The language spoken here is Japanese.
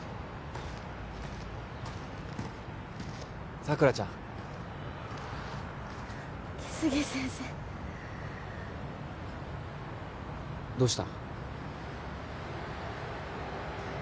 佐倉ちゃん来生先生どうした？